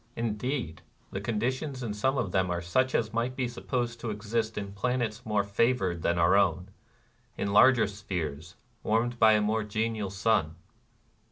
Indeed, the conditions in some of them are such as 244 NIRVANA miglit be supposed to exist in planets more favored than our own, — in larger spheres warmed by a more genial sun.